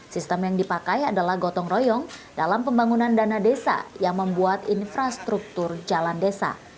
sistem yang dipakai adalah gotong royong dalam pembangunan dana desa yang membuat infrastruktur jalan desa